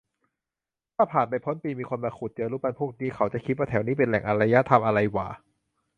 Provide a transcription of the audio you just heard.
ถ้าผ่านไปพันปี มีคนมาขุดเจอรูปปั้นพวกนี้ เขาจะคิดว่าแถวนี้เป็นแหล่งอารยธรรมอะไรหว่า ?